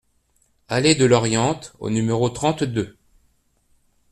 Allée de l'Oriente au numéro trente-deux